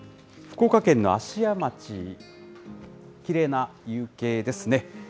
福岡県の芦屋町、きれいな夕景ですね。